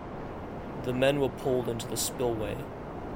The men were pulled into the spillway.